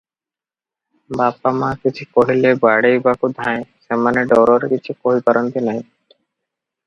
ବାପ ମା କିଛି କହିଲେ ବାଡ଼େଇବାକୁ ଧାଏଁ, ସେମାନେ ଡରରେ କିଛି କହି ପାରନ୍ତି ନାହିଁ ।